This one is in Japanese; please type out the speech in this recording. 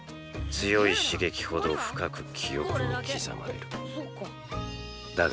強い刺激ほど深く記憶に刻まれるこれだけ。